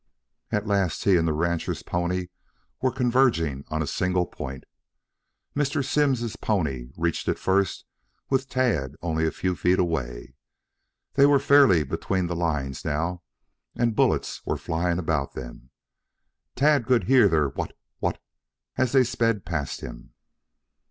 At last he and the rancher's pony were converging on a single point. Mr. Simms's pony reached it first with Tad only a few feet away. They were fairly between the lines now and bullets were flying about them. Tad could hear their whut! whut! as they sped past him.